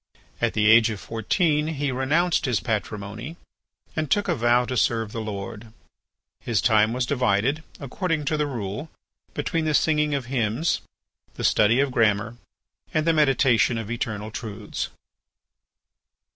At the age of fourteen he renounced his patrimony and took a vow to serve the Lord. His time was divided, according to the rule, between the singing of hymns, the study of grammar, and the meditation of eternal truths.